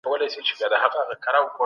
په صداقت سره کار کول عبادت دی.